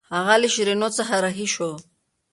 هغه له شیرینو څخه رهي شو.